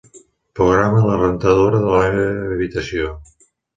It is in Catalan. Programa la rentadora de la meva habitació.